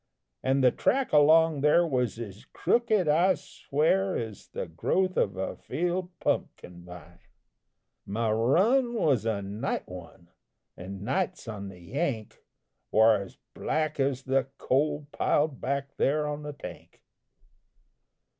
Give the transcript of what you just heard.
An' the track along there was as crooked, I swear, As the growth of a field pumpkin vine. My run was a night one, an' nights on the Yank War as black as the coal piled back there on the tank.